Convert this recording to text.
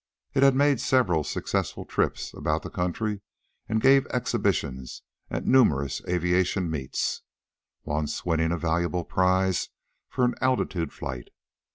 In it he made several successful trips about the country, and gave exhibitions at numerous aviation meets; once winning a valuable prize for an altitude flight.